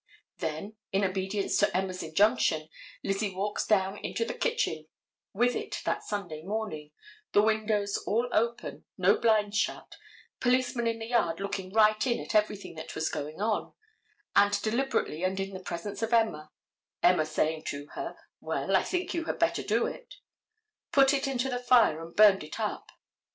Then, in obedience to Emma's injunction, Lizzie walks down into the kitchen with it that Sunday morning, the windows all open, no blinds shut, policemen in the yard looking right in at everything, that was going on, and deliberately and in the presence of Emma—Emma saying to her "Well, I think you had better do it"—put it into the fire and burned it up.